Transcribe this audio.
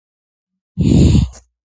ტასო მე შენ გიყურებ